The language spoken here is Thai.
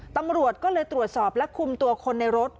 ตำรวจก็เลยตรวจสอบและคุมตัวคนในรถ